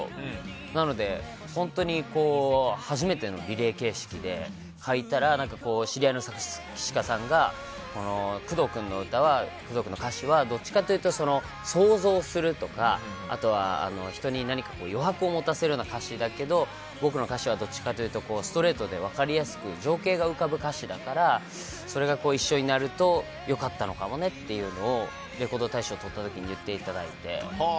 なので、本当に初めてのリレー形式で書いたら知り合いの作詞家さんが工藤君の歌詞はどっちかというと想像するとかあとは、人に何か余白を持たせるような歌詞だけど、僕の歌詞はどっちかというとストレートで分かりやすく情景が浮かぶ歌詞だからそれが一緒になると良かったのかもねというのをレコード大賞をとった時言っていただいて。